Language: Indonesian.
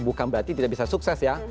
bukan berarti tidak bisa sukses ya